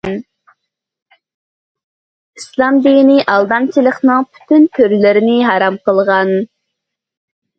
ئىسلام دىنى ئالدامچىلىقنىڭ پۈتۈن تۈرلىرىنى ھارام قىلغان.